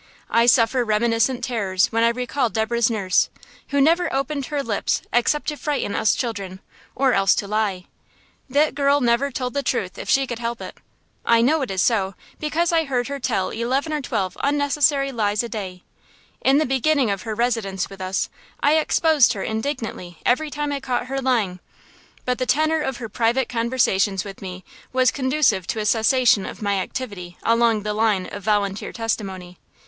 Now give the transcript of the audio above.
I suffer reminiscent terrors when I recall Deborah's nurse, who never opened her lips except to frighten us children or else to lie. That girl never told the truth if she could help it. I know it is so because I heard her tell eleven or twelve unnecessary lies every day. In the beginning of her residence with us, I exposed her indignantly every time I caught her lying; but the tenor of her private conversations with me was conducive to a cessation of my activity along the line of volunteer testimony.